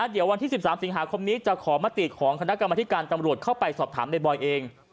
เดี๋ยววันที่๑๓สิงหาคมนี้จะขอมติของคณะกรรมธิการตำรวจเข้าไปสอบถามในบอยเอง